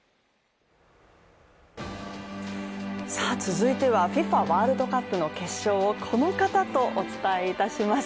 続いてはＦＩＦＡワールドカップの決勝をこの方とお伝えいたします。